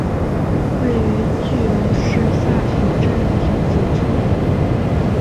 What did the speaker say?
位于句容市下蜀镇亭子村。